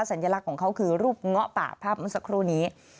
สัญลักษณ์ของเขาคือรูปเงาะป่าภาพเมื่อสักครู่นี้